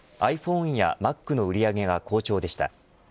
ｉＰｈｏｎｅやＭａｃの売り上げが好調でした。